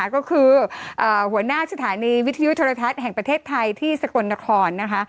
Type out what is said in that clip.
ก็คือหัวหน้าสถานีวิทยุโทรทัศน์แห่งประเทศไทยที่สกลนครนะคะ